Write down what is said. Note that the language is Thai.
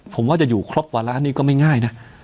ผมว่าจะอยู่ครบกว่าล้านนี่ก็ไม่ง่ายนะ